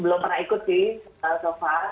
belum pernah ikut sih so far